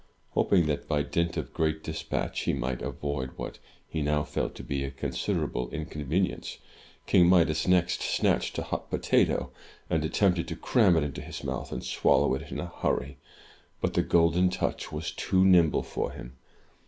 Hoping that, by dint of great dispatch, he might avoid what he now felt to be a considerable inconvenience. King Midas next snatched a hot potato, and attempted to cram it into his mouth, and swallow it in a hurry. But the Golden Touch was too nimble for him.